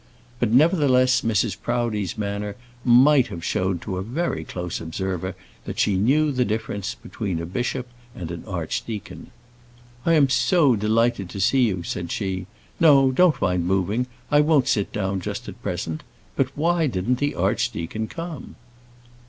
But nevertheless Mrs. Proudie's manner might have showed to a very close observer that she knew the difference between a bishop and an archdeacon. "I am so delighted to see you," said she. "No, don't mind moving; I won't sit down just at present. But why didn't the archdeacon come?"